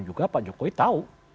juga pak jokowi tahu